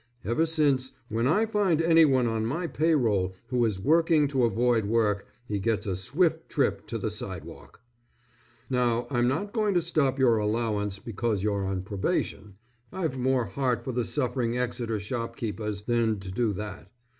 Ever since, when I find anyone on my pay roll who is working to avoid work, he gets a swift trip to the sidewalk. Now I'm not going to stop your allowance because you're on probation, I've more heart for the suffering Exeter shopkeepers than to do that.